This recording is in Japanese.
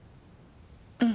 うん。